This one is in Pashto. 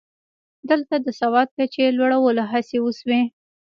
دلته د سواد کچې لوړولو هڅې وشوې